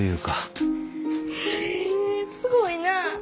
へえすごいなあ。